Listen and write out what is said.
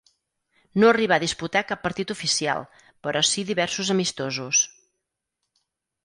No arribà a disputar cap partit oficial però si diversos amistosos.